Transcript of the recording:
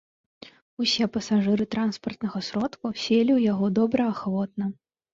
Усе пасажыры транспартнага сродку селі ў яго добраахвотна.